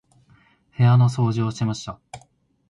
部屋の掃除をしました。